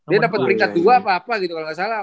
dia dapet peringkat dua apa apa gitu kalau gak salah